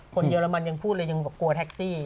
เยอรมันยังพูดเลยยังกลัวแท็กซี่